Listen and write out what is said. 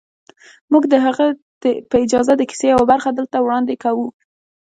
موږ د هغه په اجازه د کیسې یوه برخه دلته وړاندې کوو